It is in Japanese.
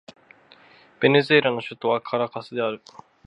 ベネズエラの首都はカラカスである